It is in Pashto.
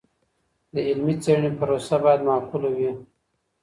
د علمي څیړني پروسه باید معقوله وي.